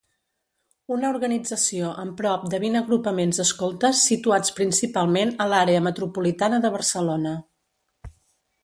Una organització amb prop de vint agrupaments escoltes situats principalment a l'àrea metropolitana de Barcelona.